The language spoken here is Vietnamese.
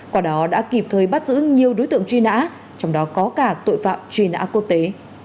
quả đó đã kịp thời bắt giữ nhiều đối tượng truy nã trong đó có cả tội phạm truy nã quốc tế